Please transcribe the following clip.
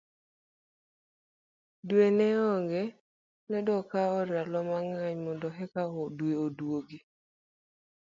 dwe ne onge, nedokawo ndalo mang'eny mondo eka dwe odwogi